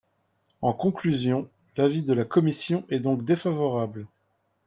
En conclusion, l’avis de la commission est donc défavorable.